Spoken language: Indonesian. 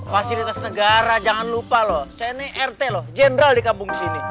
fasilitas negara jangan lupa loh saya ini rt loh jenderal di kampung sini